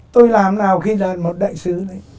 tôi làm thế nào khi là một đại sứ